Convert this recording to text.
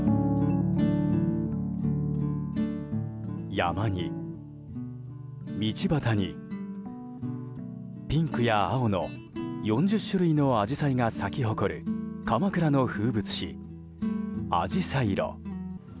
山に、道端にピンクや青の４０種類のアジサイが咲き誇る鎌倉の風物詩、あじさい路。